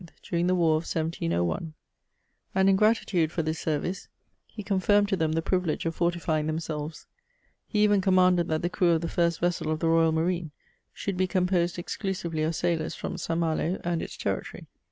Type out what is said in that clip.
during the war of 1701, and in gratitude for this service he confirmed to them the privilege of fortifying themselves ; he even commanded that the crew of the first vessel of the Royal Marine should be composed exclusively of sailors from St. Malo and its territory.